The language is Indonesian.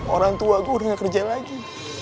orang tua gue udah gak kerja lagi